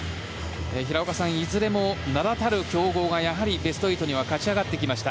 平岡さんいずれも名立たる強豪がやはりベスト８には勝ち上がってきました。